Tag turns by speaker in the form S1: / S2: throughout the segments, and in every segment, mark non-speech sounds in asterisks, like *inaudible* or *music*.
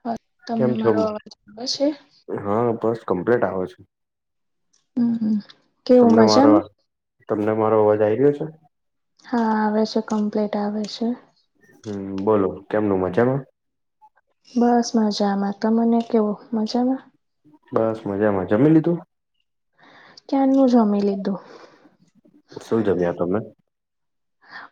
S1: હ
S2: કેમ
S1: તમને
S2: છો
S1: મારો અવાજ આવે છે.
S2: હા બસ કમ્પ્લીટ આવે છે.
S1: હમ કેવું મજામાં
S2: તમને મારો અવાજ આયી રહ્યો છે.
S1: હા આવે છે કમ્પ્લીટ આવે છે.
S2: હમ બોલો કેમનું મજામાં.
S1: બસ મજામાં ત મને ક્યો મજામાં.
S2: બસ મજામાં જમી લીધું.
S1: ક્યારનું જમી લીધું.
S2: શું જમ્યા તમે.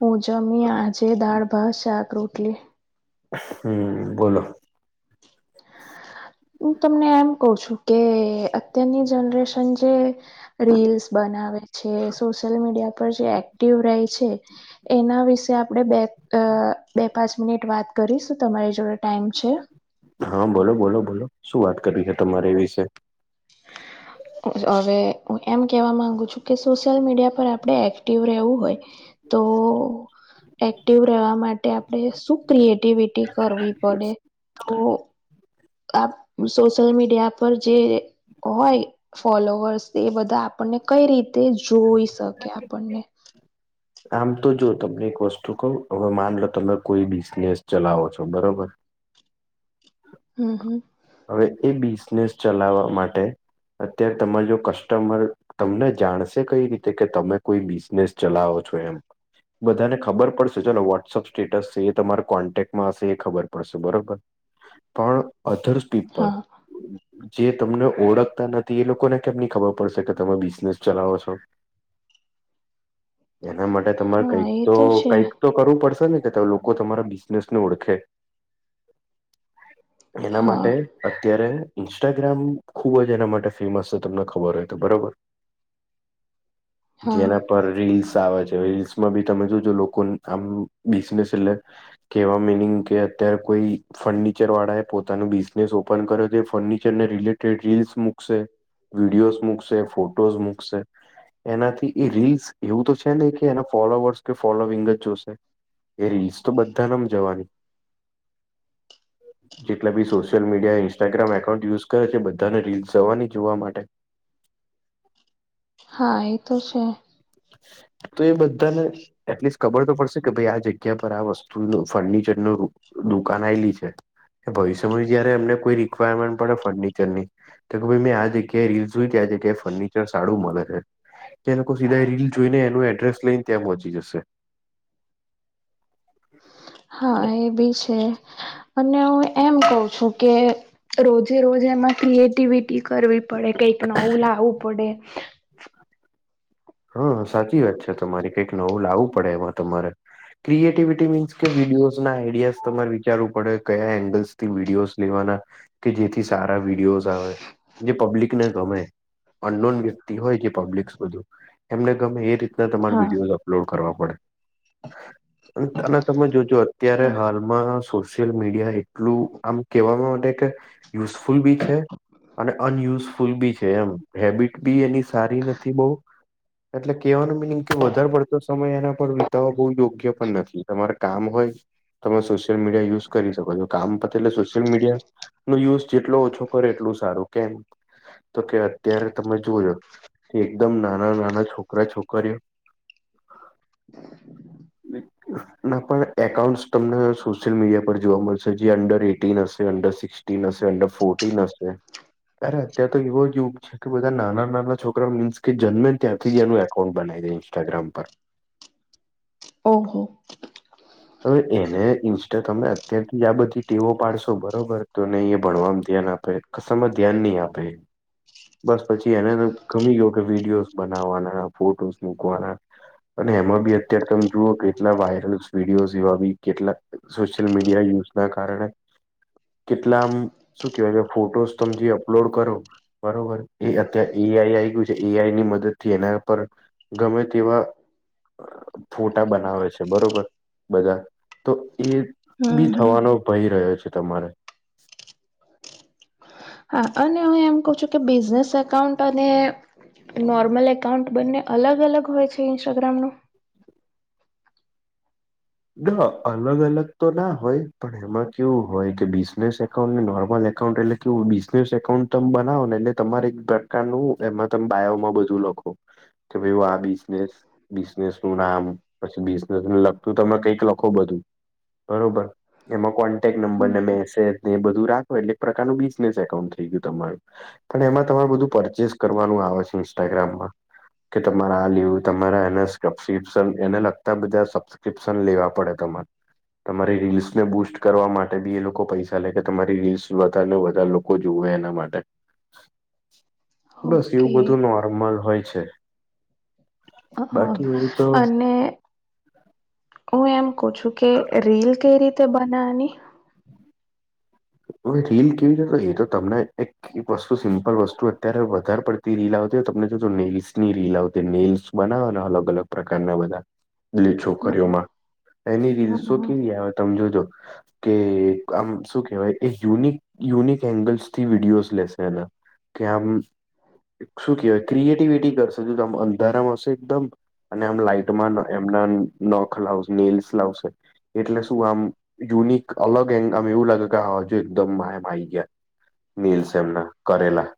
S1: હું જમી આજે દાળ ભાત શાક રોટલી.
S2: હમ બોલો.
S1: હું તમને એમ કહું છું કે અત્યારની જનરેશન જે. રીલ્સ બનાવે છે સોશિયલ મીડિયા પર જે એક્ટિવ રહે છે. એના વિશે આપણે બે પાંચ મિનિટ વાત કરીશું તમારી જોડે ટાઈમ છે.
S2: હા બોલો બોલો બોલો શું વાત કરવી છે તમારે એ વિશે. *inaudible*
S1: હવે હું એમ કહેવા માગુ છું કે સોશિયલ મીડિયા પર આપણે એક્ટિવ રહેવું હોય. તો એક્ટિવ રહેવા માટે આપણે શું ક્રિએટ એક્ટિવિટી કરવી પડે તો આપ સોશિયલ મીડિયા પર જે હોય ફોલોવર્સ એ બધા આપણને કઈ રીતે જોઈ શકે આપણને
S2: *inaudible* આમ તો જો તમને એક વસ્તુ કહું હવે માનલો તમે કોઈ બિઝનેસ ચલાવો છો બરોબર.
S1: હમ હમ
S2: હવે એ બિઝનેસ ચલાવવા માટે અત્યારે તમાર જો કસ્ટમર તમને જાણશે કઈ રીતે કે તમે. કોઈ બિઝનેસ ચલાવો છો એમ. બધાને ખબર પડશે ચલો વોટ્સઅપ સ્ટેટસ છે એ તમારા કોન્ટેક્ટમાં હશે એ ખબર પડશે બરોબર. પણ અધર્સ પીપલ
S1: હા
S2: જે તમને ઓળખતા નથી એ લોકોને કેમની ખબર પડશે કે તમે બિઝનેસ ચલાવો છો. એના માટે તમારે
S1: હા
S2: કઈક
S1: એ
S2: તો
S1: છે
S2: કઈક. તો કરવું પડશે ને કે લોકો તમારા બિઝનેસને ઓળખે. એના
S1: હા
S2: માટે અત્યારે ઇન્સ્ટાગ્રામ ખુબ જ એના માટે ફેમસ છે તમને ખબર હોય તો બરોબર.
S1: હા
S2: જેના પણ રીલ્સ આવે છે રીલ્સમાં બી તમે જોજો લોકો આમ બિઝનેસ એટલે કેવા મિનિંગ કે અત્યારે કોઈ ફર્નિચર વાળા એ પોતાનું બી પેજ ઓપન કરો જે ફર્નિચરને રિલેટેડ રીલ્સ મૂકશે વિડીયોઝ મૂકશે ફોટોઝ મૂકશે. એનાથી એ રીલ્સ એવું તો છે ને કે એના ફોલોવર્સ કે ફોલોવિંગ જ જોશે. એ રીલ્સ તો બધાને જવાની જેટલા બી સોષ social media Instagram account use કરે છે બધાને રીલ્સ જવાની જોવા માટે
S1: હા એ તો છે.
S2: તો એ બધાને એટલીસ્ટ ખબર તો પડશે કે ભાઈ આ જગ્યા પર આ વસ્તુનો ફર્નિચરનો રૂપ દુકાન આયલી છે. ભવિષ્યમાં જયારે એમને કોઈ રિક્વાયરમેન્ટ પડે ફર્નિચરની કે ભાઈ મેં આ કે રીલ જોઈ ક્યાં છે કે ફર્નિચર સારુ મળે છે. એ લોકો સીધા રીલ જોઈને એનું એડ્રેસ લઈને ત્યાં પહોચી જશે
S1: હા એ બી છે અને હું એમ કહું છું કે રોજે રોજે એમાં ક્રિએટિવિટી. કરવી પડે કઈક નવું લાવવું પડે
S2: હા હા સાચી વાત છે તમારે કઈક નવું લાવવું પડે એમાં તમારે ક્રિએટિવિટી મીન્સ કે વિડીયોઝના આઈડિયાસ તમારે વિચારવું પડે કયા એંગલ્સ થી વિડીયોઝ લેવાના. કે જેથી સારા વિડીયોઝ આવે જે પબ્લિકને ગમે અનનોન વ્યક્તિ હોય જે પબ્લિક બધું એમને ગમે એ રીતના તમારે
S1: હા
S2: વિડીયોઝ અપલોડ કરવા પડે આન તમે જોજો અત્યારે હાલ. માં સોશિયલ મીડિયા એટલું આમ કેવામાં માટે કે યુઝફુલ બી છે. અને અનયુઝફુલ બી છે એમ હેબિટ બી એની સારી નથી બહુ એટલે કેહેવાનું મિનિંગ કે વધારે પડતો સમય એના પર વિતાવવા બહુ યોગ્ય પણ નથી તમારે કામ હોય તમે સોશિયલ મીડિયા યુઝ કરી શકો છો કામ એટલે સોશિયલ મીડિયા નો યુઝ જેટલો ઓછો કરે એટલું સારું કેમ? તો કે અત્યારે તમે જોયો કે એકદમ નાના નાના છોકરા છોકરા કરયુ. ના પણ એકાઉન્ટસ તમને સોશિયલ મીડિયા પર જોવા મળશે જે અંડર એટીન હશે અંડર સિક્સ. ન હશે અંડર ફોર્ટીન હશે. અરે અત્યારે તો એવો જ ઉપગ છે કે બધા નાના નાના છોકરા મીન્સ કે જન્મે ત્યાંથી એનું એકાઉન્ટ બનાવી દે ઇન્સ્ટાગ્રામ પર
S1: ઓહો
S2: હવે એને ઇન્સ્ટા તમે અત્યારથી આ બધી ટેવો પાડશો બરોબર તો ને એ ભણવાવામાં ધ્યાન આપે કસમાં ધ્યાન નહીં આપે બસ પછી એને ગમી ગયો કે વિડીયોસ બનાવવાના ફોટોસ મૂકવાના અને એમાં બી અત્યારે તમે જુઓ કે એટલા વાયરલ છે. વિડીયોઝ એવા બી કેટલાક સોશિયલ મીડિયા યુઝ ના કારણે કેટલા આમ શું કેહેવાય કે ફોટોસ તમે જે અપલોડ કરો. બરોબર એ અત્યારે એઆઈ આઈ ગયું છે એઆઈ ની મદદ થી એના પર ગમે તેવા ફોટા બનાવે છે બરોબર. બધા તો એ
S1: હમ
S2: બી
S1: હમ
S2: થવાનો ભય રહ્યો છે તમારે
S1: હા અને હું એમ કઉ છું કે બિઝનેસ એકાઉન્ટ અને નોર્મલ એકાઉન્ટ બંને અલગ અલગ હોય છે, ઇન્સ્ટાગ્રામનુ
S2: ના અલગ અલગ તો ના હોય પણ એમાં કેવું હોય કે બિઝનેસ એકાઉન્ટને નોર્મલ એકાઉન્ટ એટલે બિઝનેસ એકાઉન્ટ તમે બનાવો ને એટલે તમારે એક પ્રકારનું એમાં તમે બાયોમાં બધું લખો. કે ભાઈ આ બિઝનેસ બિઝનેસ નું નામ પછી બિઝનેસને લગ તું તમે કંઈક લખો બધું બરોબર એમાં કોન્ટેક્ટ
S1: હમ
S2: નંબરને મેસેજ ને એ બધું રાખો એટલે એક પ્રકારનું બિઝનેસ એકાઉન્ટ થઈ ગયું તમારું. પણ એમાં તમારે બધું પરચેસ કરવાનું આવે છે ઇન્સ્ટાગ્રામમાં કે તમારા આ લીવ તમારા એના એને લગતા બધા સબ પ્શન લેવા પડે તમારે તમારી રીલ્સને બુસ્ટ કરવા માટે બી એ લોકો પૈસા લે કે તમારી રીલ્સ વધ ને વધારે લોકો લોકો જોુવે એના માટે બસ એવું
S1: ઓકે
S2: બધું નોર્મલ હોય છે.
S1: હા
S2: બાકી એવું તો
S1: અને હું એમ કું છુ, કે રીલ કઈ રીતે બનાવવાની
S2: રીલ કેવી છે તો એ તો તમને એક એક વસ્તુ સિમ્પલ વસ્તુ અત્યારે વધારે પડતી રીલ આવતી હોય તમને જો નેલ્સની રીલ આવતી નેલ્સ બનાવો અલગ અલગ પ્રકારના બધા છોકરીઓમાં એની રીતે
S1: હા
S2: શું
S1: હા
S2: કેવી આવે તમે જોજો કે આમ શું કેહેવાય એ યુનિક યુનિક એંગલ્સ થી વિડીયોઝ લેશે એના કે આમ શું કેહેવાય ક્રિએટિવિટી કરશે ત તમે અંધારામાં હશે એકદમ અને આમ લાાઈટમાં એમના નખ લાવ નેલ્સ લાવશે. એટલે શું આમ યુનિક અલગ એંગ આમ એવું લાગે કે હજુ એકદમ એમ આ આવી ગયા. નીલસ એમના કરેલા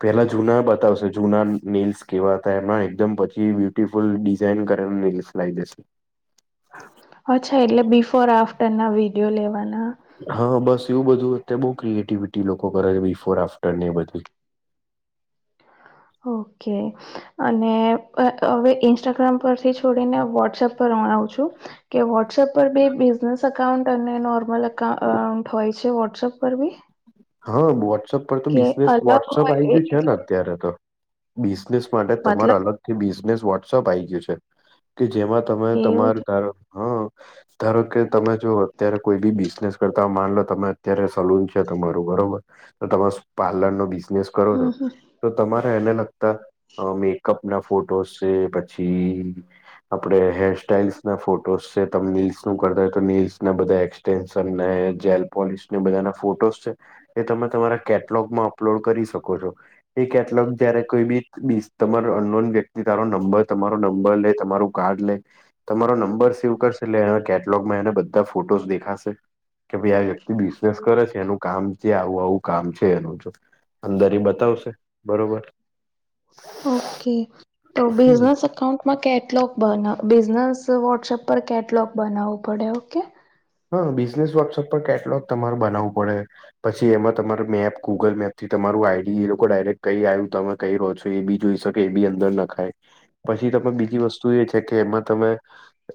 S2: પેલા જૂના બતાવશે જૂના નીલ્સ કેવા હતા એમમાં એકદમ પછી બ્યુટીિફુલ ડિઝઇન કરેલા નીલ્સ લાવી દેશે. હા
S1: અચ્છા એટલે બિફોર આફ્ટર ના વિડીિયો લેવાના.
S2: હા બસ એવું બધું અત બહુ ક્રિએટિવિટી લોકો કરે છે બિફોર આફ્ટર ને એ બધું
S1: ઓકે અને હવે ઇન્સ્ટાગ્રામ પરથી છોડીને વોટ્સએપ પર મણાવું છુ. કે વોટ્સઅપ પર બી બિઝનેસ અાઉન્ટ અને નોર્મલ અઉન્ટ હોય છે વોટ્સઅપ પર બી
S2: હા વોટ્સઅપ પર તો
S1: કે
S2: બિઝનેસ
S1: અલગ
S2: વોટ્સઅપ
S1: હોય
S2: આવી
S1: એ
S2: ગયું છે ને
S1: એટલે
S2: અત્યારે તો બિઝનેસ માટે તમારા
S1: મતલબ
S2: અલગથી બિઝનેસ વોટસઅપ આવી ગયુ છે, કે જેમાં તમે
S1: એવું
S2: તમાર
S1: છે
S2: ધારો હા ધારો કે તમે જો અત્યારે કોઈ બી બિઝનેસ કરતા માન લો તમે અત્યારે સલૂન છે, તમાર બરોબર તો તમે પાર્લર નો બિઝનેસ કરો છો.
S1: હમ હમ
S2: તો તમારે એને લગતા મેકઅપ ના ફોટો છે, પછી આપડણે હેર સ્ટાઈલ્સ ના ફોટોસ છે, તમે નીલ્સું કરતા હોય તો નીલ્સ ના બધા એ સસર ને જેલ પોલસ ને બધા ના ફોટોસ છે. એ તમે તમારા કેટલોગમાં અપલોડ કરી શકો છો એ કે મતલબ જયારે કોઈ બી બી તમાર અનનોન વ્યક્તિ તારો નંબર તમારો નંબર લે તમારું કાર્ડ લે તમારો નંબર સેવ કરશે એ એના કેટલોગમાં એને બધા બધ ફોટોસ દેખાશે કે ભાઈ આ વ્યક્તિ બિઝનેસ કરે છે, એ કામ જે આવું આવું કામ છે એનું જો અંદર બતાવશે બરોબર હા
S1: ઓકે તો બિઝનેસ અકાઉન્ટ માં કેટલોગ બનાવ બિઝનેસ વોટ્સએપ પર કેટલોગ બનાવવું પડે ઓકે
S2: હા બિઝનેસ વોટ્સઅપ પર કેટલોગ તમારે બનાવવું પડે પછી એમાં તમાર મેપ ગુગલ મેપથી તમારું આઈડી એ લોકો ડાયરેક્ટ કઈ આવ્યું તમે કઈ રહો છો એ બી જોઈ શકે એ બી અંદર ના ખાય પછી તમે બીજી વસ્તુ એ છે કે એમાં તમે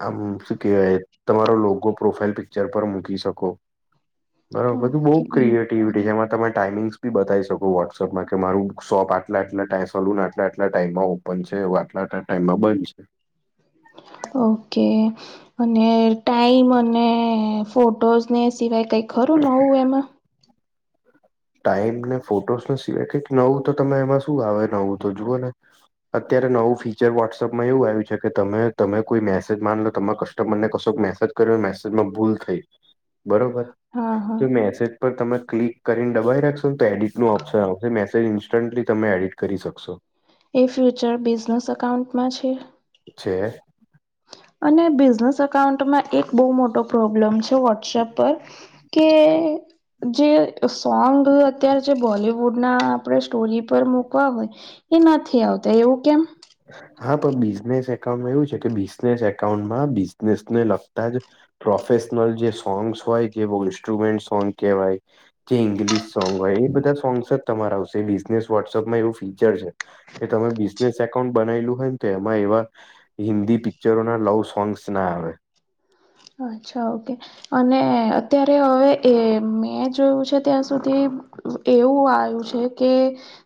S2: આમ શું કેવાય તમારો લોગો પ્રોફાઈલ પિક પિકચર પર મૂકી શકો બરોબર બધું બ
S1: ઓકે
S2: ક્રિએટિવિટી છેમાં ત ટાઈમિંગસ બી બતાવી શકો વોટ્સઅપમાં કે મારું શોપ આટલા આટલા સલૂન આટલા આટલા ટાઈમ આવ પણ છે વાટલાટલા ટાઈમમાં બંધ છે.
S1: ઓકે અને ટાઈમ અને ફોટોઝ ને સિવાય કઈ ખરું નવું એમાં
S2: ટાઈમ ને ફોટોસ સિવાય કઈક નવું તો તમે એમાં શું આવે નવું તો જુઓ ને અત્યારે નવું ફીચર વોટ્સઅપમાં એવું આવ્યું છે કે તમે તમે કોઈ મેસેજ માન લો તમા કસ તમનૅ કશો મેસેજ કર્યો મેસેજમાં ભૂલ થઈ બરોબર
S1: હા હા.
S2: તો મેસેજ પર તમે ક્લિક કર પીન દબાઈ રાખશો તો એડિટ ન ઓપ્શન આવશે મેસેજ ઇન્સ્ટન્ટલી તમે એડિટ કરી શકશો
S1: એ ફ્યુચર બિઝનેસ અકાઉન્ટમાં છે
S2: છે
S1: અને બિઝનેસ અકાઉન્ટમાં એક બહુ મોટો પ્રોબ્લેમ છે વોટ્સપ પર કે જે સોંગ અત્યારે જે બોલિવુડ ના આપણે સ્ટોરી પર મૂકવા હોય એ નથી આવતા એવું કેમ
S2: હા પણ બિઝનેસ એકાઉન્ટમાં એવું છે કે બિઝનેસ એકાઉન્ટમાં બિઝનેસને લગતા જ પ્રોફેશનલ જે સોંગ્સ હોય જે બહ ઇન્સ્ટ્રુમેન્ટ સોંગ કહેવાય જે ઇંગ્લિશ સોંગ હોય એ બધા સોંગ્સ જ તમારે આવશે બિઝનેસ વોટ્સઅપમાં એવું ફીચર છે કે તમે બિઝનેસ એકાઉન્ટ બનાયેલું હોય ને તો એમાં એવા હિન્દી પિક્ચરો ના લવ સોંગ્સ ના આવે
S1: અચ્છા ઓકે અને અત્યારે હવે એ મેં જોયું છે ત્યાં સુધી એવું આવ્યું છે કે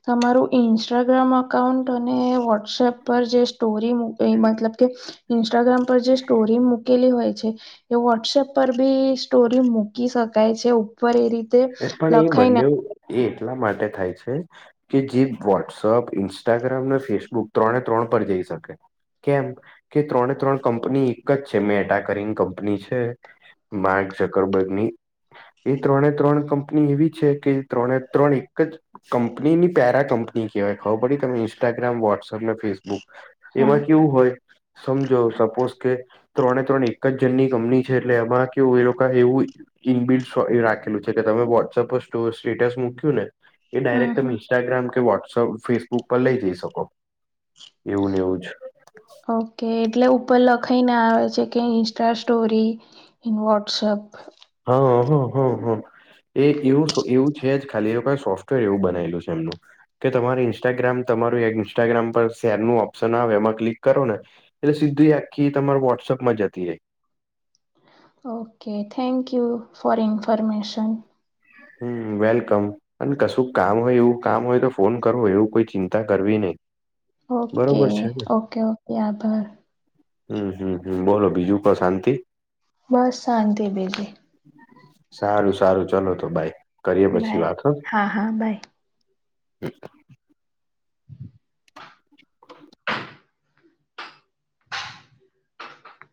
S1: તમારું ઇન્સ્ટાગ્રામ અકાઉન્ટ અને વોટ્સએપ પર જે સ્ટોરી મુકી મતલબ કે ઇન્સ્ટાગ્રામ પર જે સ્ટોરી મુ કેલી હોય છે એ વોટ્સપ પર બી સ્ટોરી મૂકી શકાય છે પર એ રીતે
S2: એ પણ એ
S1: લખાઈને
S2: બંને એ એટલા માટે થાય છે કે જે વોટ્સઅપ ઇન્સ્ટાગ્રામ ને ફેસબુક ત્રણે ત્રણ પર જઈ શકે કેમ કે ત્રણે ત્રણ કંપની એક જ છે મેટા કરીને કંપની છે બાઘ ચકરબગની એ ત્રણે ત્રણ કંપની એવી છે કે ત્રણે ત્રણ એક જ કંપનીની પેરા કંપની કેવાય ખબર પડી તમે ઇન્સ્ટાગ્રામ વોટ્સઅપ ને ફેસબુક
S1: હા
S2: એમાં કેવું હોય સમજો સપોઝ કે ત્રણે ત્રણ એક જ જનની કંપની છે એટલે એમાં કેવું એ લોકો એવું ઇન બિલ્ડ રાખેલું છે કે તમે વોટ્સઅપ પર સ્ટેટસ મૂક્યું ને એ
S1: હમ
S2: ડાયરેક્ટ તમે
S1: હમ
S2: ઇન્સ્ટાગ્રામ કે વોટ્સઅપ ફેસબુક પર લઈ જઈ શકો એવું ને એવુંજ
S1: ઓકે એટલે ઉપર લખાઈને આવે છે કે ઇન્સ્ટા સ્ટોરી ઇન વટ્સઅપ
S2: હા હા હમ હમ એક એવું એવું છે જ ખાલી એવુ કઈ સોફ્ટવેર એવું બનાયલું છે એમનું કે તમારે ઇન્સ્ટાગ્રામ તમારુંવવવ ચવવ ઇન્સ્ટાગ્રામ પર શેર નું ઓપ્શન આવે એમાં ક્લિક કરો ને એટલે સીધી આખી તમારે વોટ્સઅપમાં જતી રહેાય
S1: ઓકે થેન્ક્યુ ફોર ઇન્ફોરમેશન
S2: હ વેલકમ અને કશું કામ હોય એવું કામ હોય તો ફોન કરવો એવું કોઈ ચિંતા કરવી નહી
S1: ઓકે
S2: બરોબર છે ને
S1: ઓકે ઓકે આભાર
S2: હમ હમ બોલો બીજું કો શાંતિ
S1: બસ શાંતિ બીજી
S2: સારું સારું ચલો તો ભાઈ કરીએ પછી
S1: બાય
S2: વાતો
S1: હા હા બાય
S2: હ
S1: હમ